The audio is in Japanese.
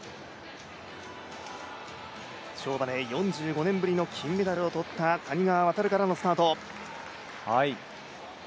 跳馬で４５年ぶりの金メダルをとった谷川航からのスタート。